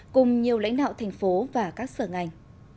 cùng nhiều lãnh đạo thành phố và các sở ngành